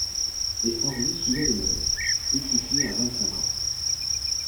Et Henri s'usait de mollesse ; il fut fini à vingt-cinq ans.